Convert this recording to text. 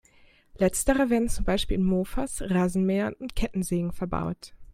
Letztere werden zum Beispiel in Mofas, Rasenmähern und Kettensägen verbaut.